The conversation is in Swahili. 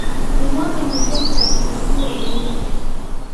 Humwaga maji yake katika ziwa Burunge